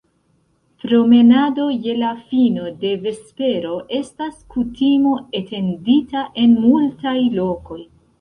Promenado je la fino de vespero estas kutimo etendita en multaj lokoj.